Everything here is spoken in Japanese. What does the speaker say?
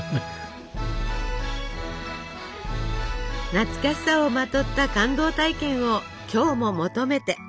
懐かしさをまとった感動体験を今日も求めて。